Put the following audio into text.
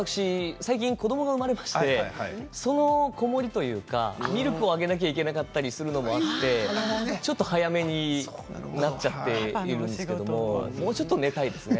最近子どもが生まれましてその子守りというかミルクをあげなければいけなかったりするのもあってちょっと早めになっちゃっているんですけどね。